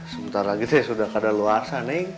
sebentar lagi teh sudah keadaan luasah neng